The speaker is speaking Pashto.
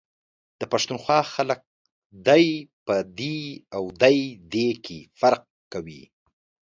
د پښتونخوا خلک دی ، په دي او دی.دے کي فرق کوي ،